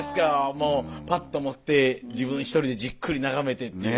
もうパッと持って自分一人でじっくり眺めてっていう。